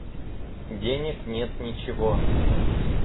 Денег нет ничего.